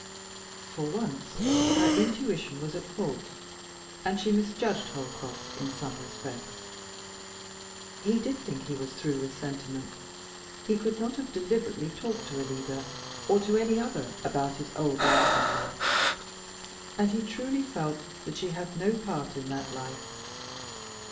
For once her intuition was at fault, and she misjudged Holcroft in some respects. He did think he was through with sentiment; he could not have talked deliberately to Alida or to any other about his old life and love, and he truly felt that she had no part in that life.